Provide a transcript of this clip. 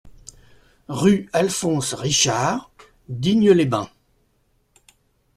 Rue Alphonse Richard, Digne-les-Bains